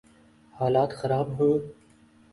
حالات خراب ہوں۔